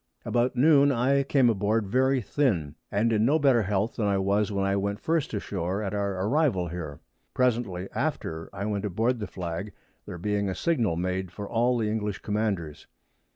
About Noon I came aboard very thin, and in no better Health than I was when I went first ashore at our Arrival here. Presently after I went aboard the Flag, there being a Signal made for all the English Commanders.